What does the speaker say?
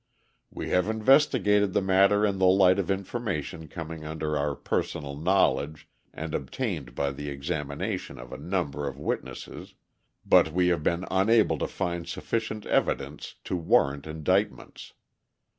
We have investigated the matter in the light of information coming under our personal knowledge and obtained by the examination of a number of witnesses, but we have been unable to find sufficient evidence to warrant indictments.